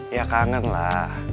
ya kangen lah